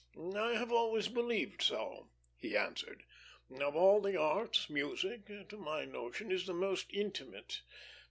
"I have always believed so," he answered. "Of all the arts, music, to my notion, is the most intimate.